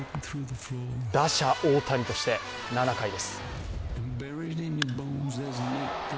打者・大谷として７回です。